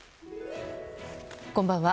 こんばんは。